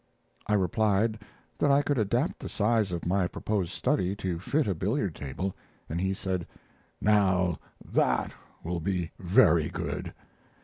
I replied that I could adapt the size of my proposed study to fit a billiard table, and he said: "Now that will be very good.